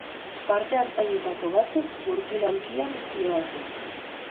Parte-hartzaileetako batzuk gurpil-aulkian zihoazen.